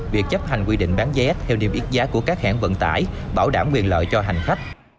việc chấp hành quy định bán vé theo niêm yết giá của các hãng vận tải bảo đảm quyền lợi cho hành khách